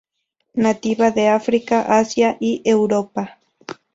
Nativa de África, Asia y Europa.